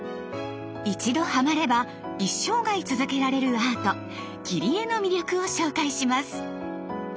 一度ハマれば一生涯続けられるアート「切り絵」の魅力を紹介します。